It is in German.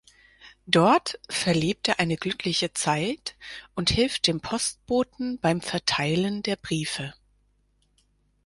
Dort verlebt er eine glückliche Zeit und hilft dem Postboten beim Verteilen der Briefe.